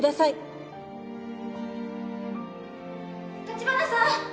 ・立花さん。